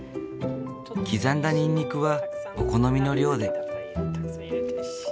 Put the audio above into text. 刻んだニンニクはお好みの量で。